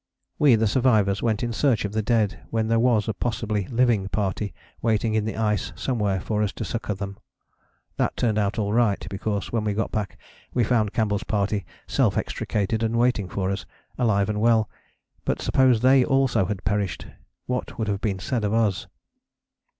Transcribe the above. We, the survivors, went in search of the dead when there was a possibly living party waiting in the ice somewhere for us to succour them. That turned out all right, because when we got back, we found Campbell's party self extricated and waiting for us, alive and well. But suppose they also had perished, what would have been said of us?